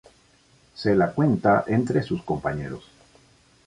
Se la cuenta entre sus compañeros.